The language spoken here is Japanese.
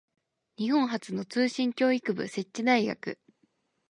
日本初の通信教育部設置大学